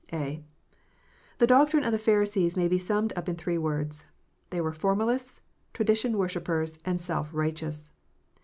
(a) The doctrine of the Pharisees may be summed up in three words, they were formalists, tradition worshippers, and self righteous.